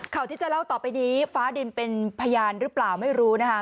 ข่าวที่จะเล่าต่อไปนี้ฟ้าดินเป็นพยานหรือเปล่าไม่รู้นะคะ